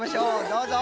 どうぞ！